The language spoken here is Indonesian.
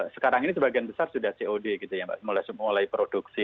sekarang ini sebagian besar sudah cod mulai produksi